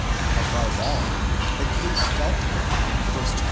Above all, the case dealt with in 1 Cor.